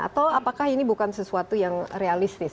atau apakah ini bukan sesuatu yang realistis